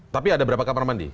tapi ada berapa kamar mandi